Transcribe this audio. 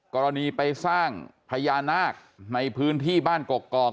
กรณีไปสร้างพญานาคในพื้นที่บ้านกกอก